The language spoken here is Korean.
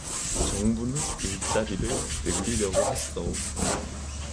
정부는 일자리를 늘리려고 했어.